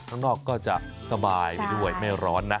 ข้างนอกก็จะสบายไปด้วยไม่ร้อนนะ